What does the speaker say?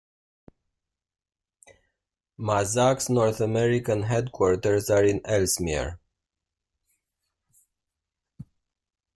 Mazak's North American headquarters are in Elsmere.